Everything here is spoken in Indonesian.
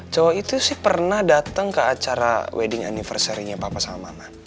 cowok itu sih pernah datang ke acara wedding anniversary nya bapak sama mama